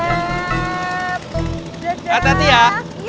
merupakan the scenarios